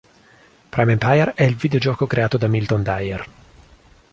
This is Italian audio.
Prime Empire è il videogioco creato da Milton Dyer.